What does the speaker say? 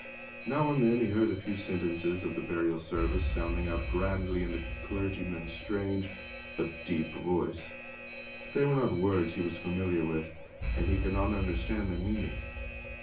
Now and then he heard a few sentences of the burial service sounding out grandly in the clergyman's strange, deep voice; but they were not words he was familiar with, and he could not understand their meaning.